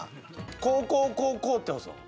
こうこうこうこうって押すん？